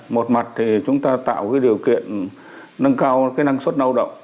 một mặt thì chúng ta tạo cái điều kiện nâng cao năng suất lao động